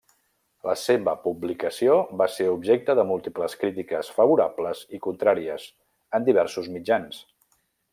La seva publicació va ser objecte de múltiples crítiques, favorables i contràries, en diversos mitjans.